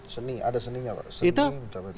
seni ada seni ya pak